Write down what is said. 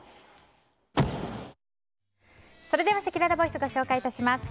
それではせきららボイスご紹介致します。